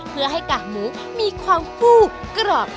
เพื่อให้กากหมูมีความฟูบกรอบ